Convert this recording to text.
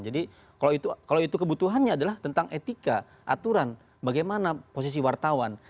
jadi kalau itu kebutuhannya adalah tentang etika aturan bagaimana posisi wartawan